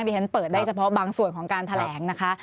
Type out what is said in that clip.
ที่ฉันเปิดได้เฉพาะบางส่วนของการแถลงนะคะ